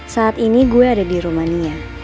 saat ini gue ada di rumania